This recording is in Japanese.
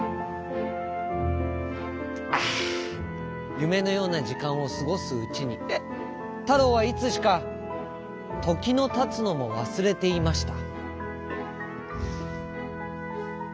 ゆめのようなじかんをすごすうちにたろうはいつしかときのたつのもわすれていました。